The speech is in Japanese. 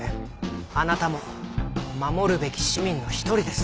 あなたも守るべき市民の一人です。